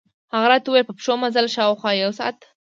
هغه راته ووېل په پښو مزل، شاوخوا یو ساعت.